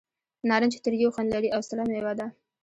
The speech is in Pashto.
نارنج تریو خوند لري او سړه مېوه ده.